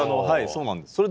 はいそうなんです。